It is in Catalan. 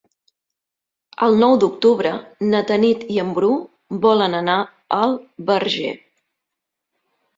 El nou d'octubre na Tanit i en Bru volen anar al Verger.